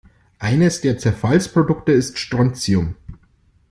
Eines der Zerfallsprodukte ist Strontium.